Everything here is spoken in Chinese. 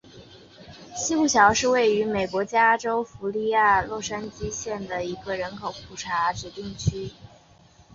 西谷桥是位于美国加利福尼亚州洛杉矶县的一个人口普查指定地区。